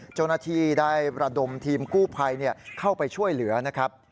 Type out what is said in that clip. เจ้าหน้าที่ได้ระดมทีมกู้ภัยเข้าไปช่วยเหลือนะครับ